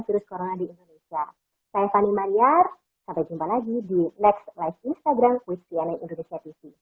virus corona di indonesia saya fani maniar sampai jumpa lagi di next live instagram with cnn indonesia tv